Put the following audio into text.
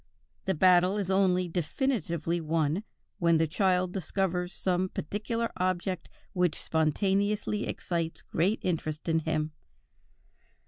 "The battle is only definitively won, when the child discovers some particular object which spontaneously excites great interest in him.